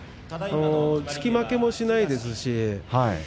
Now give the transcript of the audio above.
突き負けもしないですし。